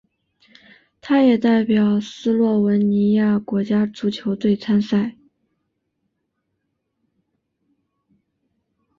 他也代表斯洛文尼亚国家足球队参赛。